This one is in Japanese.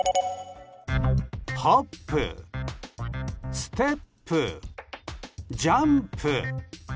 ホップ、ステップ、ジャンプ。